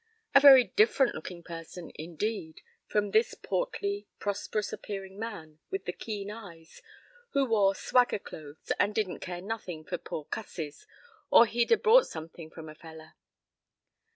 A very different looking person, indeed, from this portly, prosperous appearing man with the keen eyes, who wore "swagger clothes, and didn't care nothin' fer poor cusses, or he'd 'a bought somethin' from a feller."